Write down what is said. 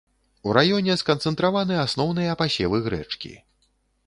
У раёне сканцэнтраваны асноўныя пасевы грэчкі.